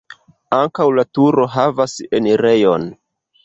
Ankaŭ la turo havas enirejon.